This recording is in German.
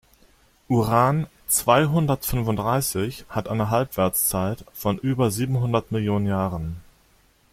Uran-zweihundertfünfunddreißig hat eine Halbwertszeit von über siebenhundert Millionen Jahren.